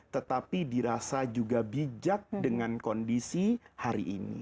tetapi dirasa juga bijak dengan kondisi hari ini